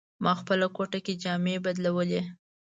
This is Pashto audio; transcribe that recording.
ما خپله کوټه کې جامې بدلولې.